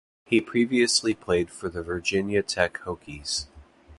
He previously played for the Virginia Tech Hokies.